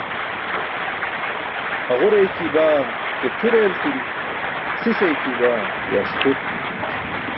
Haġur eykiybaa ke tʰur eeltiri, sis eykiybaa ke asqur.